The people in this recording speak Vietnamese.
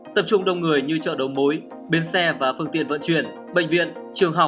tập trung đông người như chợ đấu mối bên xe và phương tiện vận chuyển bệnh viện trường học